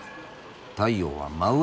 太陽は真上。